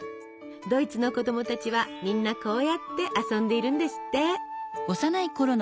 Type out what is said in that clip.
ドイツの子供たちはみんなこうやって遊んでいるんですって！